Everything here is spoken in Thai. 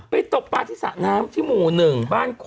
ไปตกป้าที่สะน้ำถี่หมู่หนึ่ง